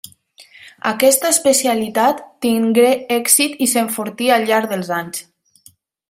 Aquesta especialitat tingué èxit i s'enfortí al llarg dels anys.